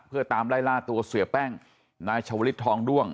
เพื่อตามไล่ล่าตัวเสียแป้งนายชาวลิศทองด้วง